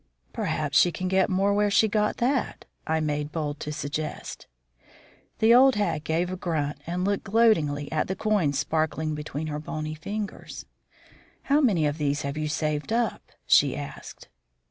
"Perhaps she can get more where she got that," I made bold to suggest. The old hag gave a grunt and looked gloatingly at the coins sparkling between her bony fingers. "How many of these have you saved up?" she asked.